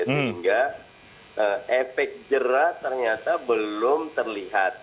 sehingga efek jerah ternyata belum terlihat